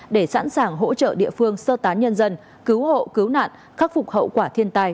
để sẵn sàng hỗ trợ địa phương sơ tán nhân dân cứu hộ cứu nạn khắc phục hậu quả thiên tai